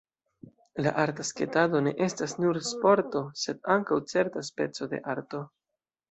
La arta sketado ne estas nur sporto, sed ankaŭ certa speco de arto.